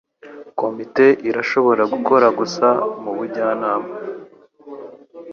Komite irashobora gukora gusa mubujyanama.